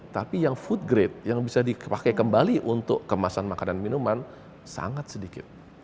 tapi yang food grade yang bisa dipakai kembali untuk kemasan makanan minuman sangat sedikit